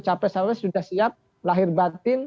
capres capres sudah siap lahir batin